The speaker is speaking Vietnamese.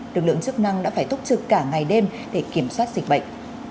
lực lượng chức năng đã phải túc trực cả ngày đêm để kiểm soát dịch bệnh